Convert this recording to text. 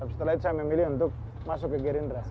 setelah itu saya memilih untuk masuk ke gerindra